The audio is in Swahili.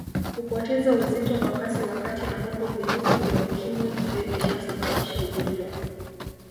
Kupoteza uzito kwa kasi wakati ambapo virusi vya Ukimwi vimeshasababisha ugonjwa